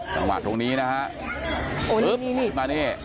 ส่วนตรงนี้นะครับ